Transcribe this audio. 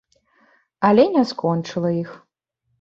Але не скончыла іх.